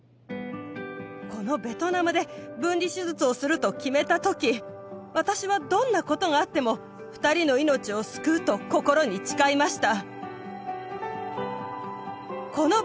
このベトナムで分離手術をすると決めた時私はどんなことがあっても２人の命を救うと心に誓いました